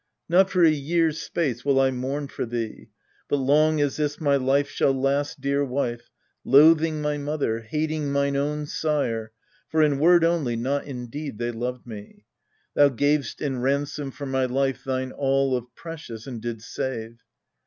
Not for a year's space will I mourn for thee, But long as this my life shall last, dear wife, Loathing my mother, hating mine own sire, For in word only, not in deed, they loved me. Thou gav'st in ransom for my life thine all Of precious, and didst save.